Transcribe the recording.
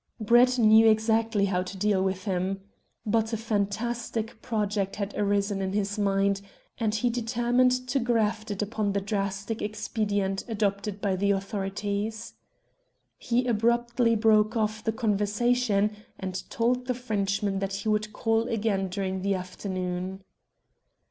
Brett knew exactly how to deal with him. But a fantastic project had arisen in his mind, and he determined to graft it upon the drastic expedient adopted by the authorities. He abruptly broke off the conversation and told the Frenchman that he would call again during the afternoon.